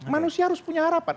manusia harus punya harapan